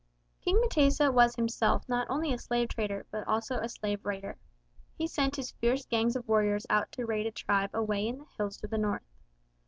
King M'tesa was himself not only a slave trader but a slave raider. He sent his fierce gangs of warriors out to raid a tribe away in the hills to the north.